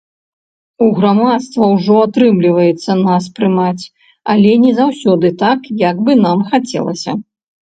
У грамадства ўжо атрымліваецца нас прымаць, але не заўсёды так, як бы нам хацелася.